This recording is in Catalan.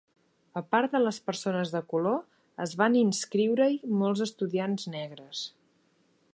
A part de les persones de color, es van inscriure-hi molts estudiants negres.